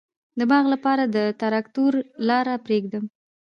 د باغ لپاره د تراکتور لاره پریږدم؟